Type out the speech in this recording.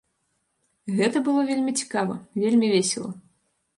Гэта было вельмі цікава, вельмі весела.